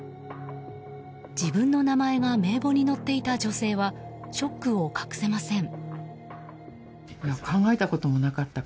自分の名前が名簿に載っていた女性はショックを隠せません。